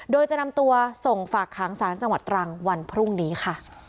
โดยจะนำตัวส่งฝากขังสารจังหวัดตรังวันพรุ่งนี้ค่ะ